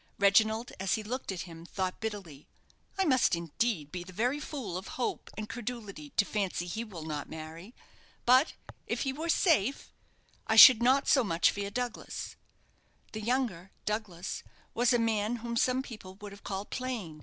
Reginald, as he looked at him, thought bitterly, "I must indeed be the very fool of hope and credulity to fancy he will not marry. But, if he were safe, I should not so much fear Douglas." The younger, Douglas, was a man whom some people would have called plain.